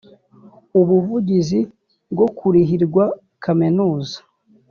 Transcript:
ubuvugizi bwo kurihirwa kaminuza